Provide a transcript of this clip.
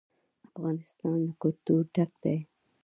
افغانستان له کلتور ډک دی.